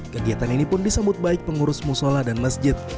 kegiatan ini pun disambut baik pengurus musola dan masjid